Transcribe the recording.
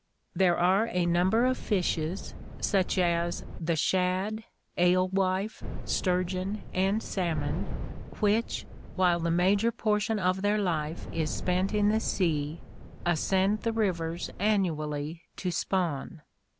— There are a number of fishes, such as the shad, alewife, sturgeon, and salmon, which, while the major portion of their life is spent in the sea, ascend the rivers annually to spawn.